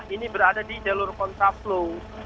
ini berada di jalur kontraflow